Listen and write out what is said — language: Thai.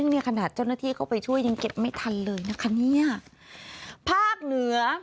เนี่ยขนาดเจ้าหน้าที่เข้าไปช่วยยังเก็บไม่ทันเลยนะคะเนี่ยภาคเหนือ